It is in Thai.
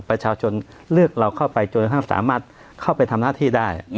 ประชาชนเลือกเราเข้าไปจนกระทั่งสามารถเข้าไปทำหน้าที่ได้